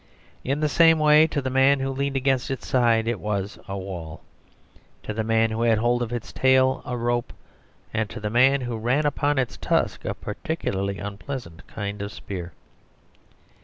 In the same way to the man who leaned against its side it was a wall; to the man who had hold of its tail a rope, and to the man who ran upon its tusk a particularly unpleasant kind of spear.